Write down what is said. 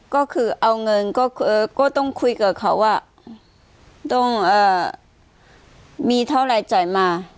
ก็คือเอาเงินก็ต้องคุยกับเขาว่าต้องมีเท่าไรจ่ายมา